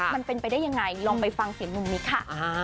มันเป็นไปได้ยังไงลองไปฟังเสียงหนุ่มมิกค่ะ